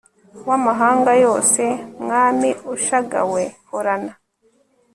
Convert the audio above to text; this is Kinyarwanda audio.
w'amahanga yose, mwami ushagawe horana